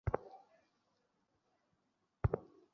অসংখ্য প্রাণ যাবে।